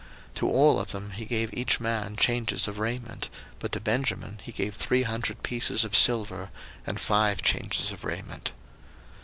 01:045:022 To all of them he gave each man changes of raiment; but to Benjamin he gave three hundred pieces of silver, and five changes of raiment.